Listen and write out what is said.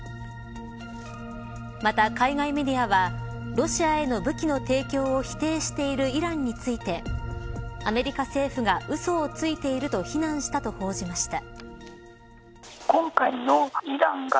また海外メディアはロシアへの武器の提供を否定しているイランについてアメリカ政府がうそをついていると非難したと報じました。